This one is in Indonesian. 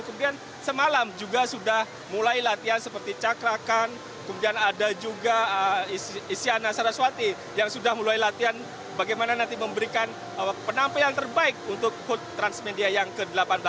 kemudian semalam juga sudah mulai latihan seperti cakrakan kemudian ada juga isyana saraswati yang sudah mulai latihan bagaimana nanti memberikan penampilan terbaik untuk hood transmedia yang ke delapan belas